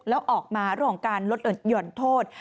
แล้วออกมาหล่องการหลดหย่อนโทษ